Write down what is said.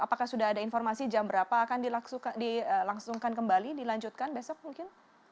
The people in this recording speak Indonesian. apakah sudah ada informasi jam berapa akan dilangsungkan kembali dilanjutkan besok mungkin